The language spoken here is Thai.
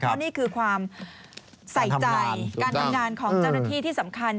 เพราะนี่คือความใส่ใจการทำงานของเจ้าหน้าที่ที่สำคัญ